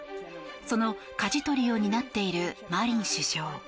そのかじ取りを担っているマリン首相。